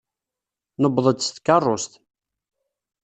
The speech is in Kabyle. Nuweḍ-d s tkeṛṛust.